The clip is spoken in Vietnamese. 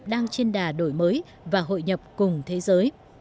đang trên đà đổi mới và hội nhập cùng thế giới